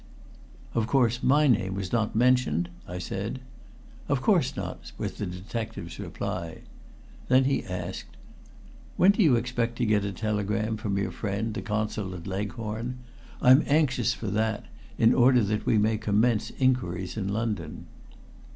"Of course my name was not mentioned?" I said. "Of course not," was the detective's reply. Then he asked: "When do you expect to get a telegram from your friend, the Consul at Leghorn? I am anxious for that, in order that we may commence inquiries in London."